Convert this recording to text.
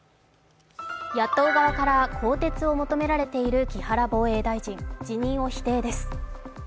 野党側から更迭を求められている木原防衛大臣、辞任を否定です。